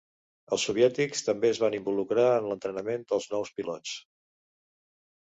Els soviètics també es van involucrar en l'entrenament dels nous pilots.